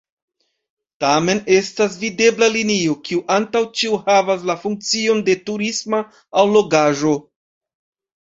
Tamen estas videbla linio, kio antaŭ ĉio havas la funkcion de turisma allogaĵo.